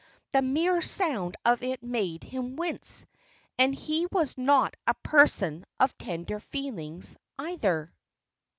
The mere sound of it made him wince. And he was not a person of tender feelings, either.